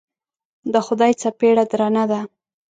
د خدای څپېړه درنه ده.